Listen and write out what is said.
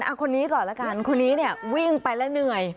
เอาคนนี้ก่อนละกันคนนี้เนี่ยวิ่งไปแล้วเหนื่อย